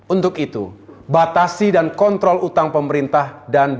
untuk itu batasi dan kontrol utang pemerintah dan